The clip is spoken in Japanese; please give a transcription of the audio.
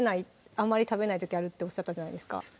あんまり食べない時あるっておっしゃったじゃないですか